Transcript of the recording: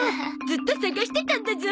ずっと捜してたんだゾ。